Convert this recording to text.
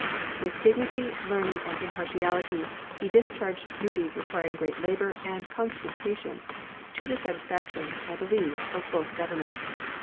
With dignity, learning, and impartiality he discharged duties requiring great labor and constant patience, to the satisfaction, I believe, of both Governments.